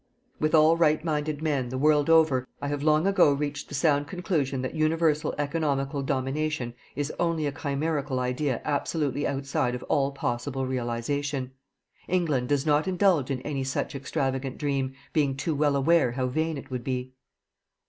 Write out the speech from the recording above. With all right minded men, the world over, I have long ago reached the sound conclusion that universal economical domination is only a chimerical idea absolutely outside of all possible realization. England does not indulge in any such extravagant dream, being too well aware how vain it would be.